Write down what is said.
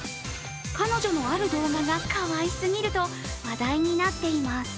彼女のある動画がかわいすぎると話題になっています。